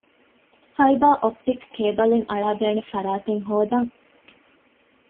ފައިބަރ އޮޕްޓިކް ކޭބަލެއް އަޅައިދޭނެ ފަރާތެއް ހޯދަން